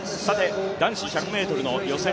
男子１００ｍの予選